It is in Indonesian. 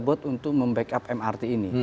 bot untuk membackup mrt ini